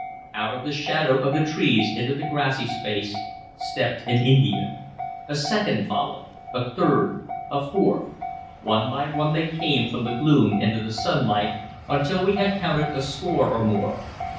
Out of the shadow of the trees into the grassy space stepped an Indian; a second followed, a third, a fourth, one by one they came from the gloom into the sunlight, until we had counted a score or more.